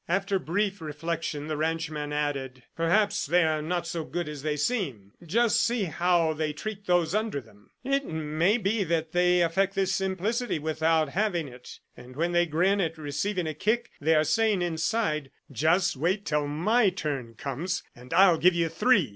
After brief reflection, the ranchman added: "Perhaps they are not so good as they seem. Just see how they treat those under them! It may be that they affect this simplicity without having it, and when they grin at receiving a kick, they are saying inside, 'Just wait till my turn comes, and I'll give you three!